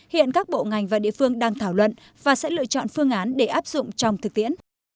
hiện các bộ ngành và địa phương đang thảo luận và sẽ lựa chọn phương án để áp dụng trong thực tiễn